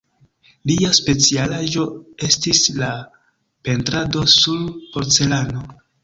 Lia specialaĵo estis la pentrado sur porcelano.